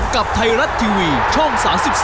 กับไทยรัฐทีวีช่อง๓๒